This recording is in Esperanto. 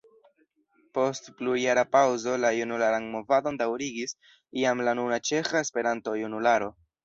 Post plurjara paŭzo la junularan movadon daŭrigis jam la nuna Ĉeĥa Esperanto-Junularo.